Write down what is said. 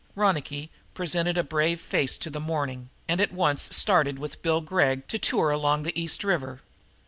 Ronicky presented a brave face to the morning and at once started with Bill Gregg to tour along the East River.